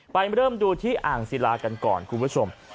ไปเริ่มดูที่อ่างศิลากันก่อนคุณผู้ชม